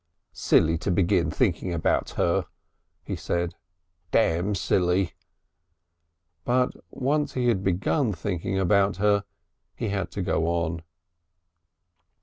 "Silly to begin thinking about her," he said. "Damn silly!" But once he had begun thinking about her he had to go on.